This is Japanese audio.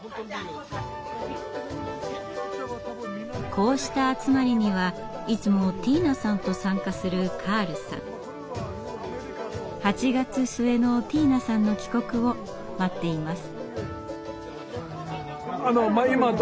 こうした集まりにはいつもティーナさんと参加するカールさん。８月末のティーナさんの帰国を待っています。